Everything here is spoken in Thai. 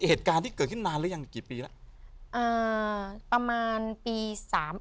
เหตุการณ์ที่เกิดขึ้นนานหรือยังกี่ปีแล้วอ่าประมาณปีสาม